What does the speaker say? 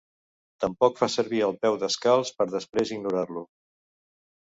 Tampoc fa servir el peu descalç per després ignorar-lo.